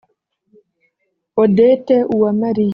Odette Uwamariya